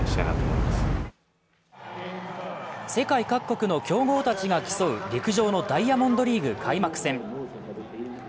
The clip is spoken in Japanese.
世界各国の強豪たちが競う陸上のダイヤモンドリーグ開幕戦。